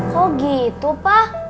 kok gitu pak